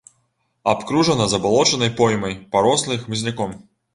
Абкружана забалочанай поймай, парослай хмызняком.